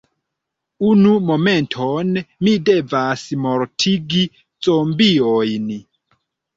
Unu momenton, mi devas mortigi zombiojn.